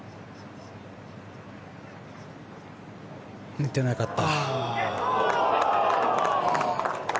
打てなかった。